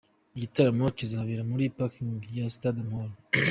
Igitaramo kizabera muri ‘Parking ya Stade Amahoro’.